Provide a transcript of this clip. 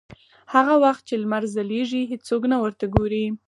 هغه وخت چې لمر ځلېږي هېڅوک نه ورته ګوري.